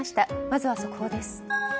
まずは速報です。